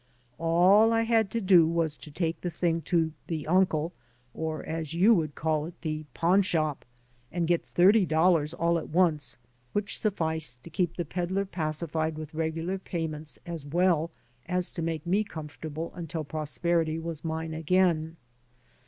All I had to do was to take the things to "the unde, or, as you woidd call it, the pawn shop, and get thirty dollars all at once, which sufficed 145 AN AMERICAN IN THE MAKING to keep the peddler pacified with regular payments as well as to make me comfortable uitil prosperity was mine again.